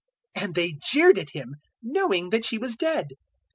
008:053 And they jeered at Him, knowing that she was dead.